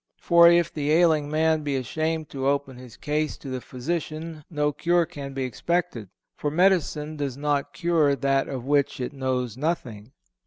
For if the ailing man be ashamed to open his case to the physician no cure can be expected; for medicine does not cure that of which it knows nothing."